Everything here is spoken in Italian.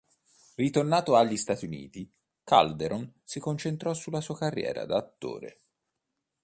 Ritornato agli Stati Uniti, Calderon si concentrò sulla sua carriera da attore.